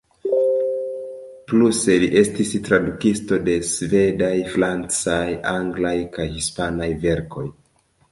Pluse li estis tradukisto de svedaj, francaj, anglaj kaj hispanaj verkoj.